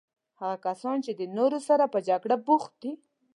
هغه کسان چې د نورو سره په جګړه بوخت دي.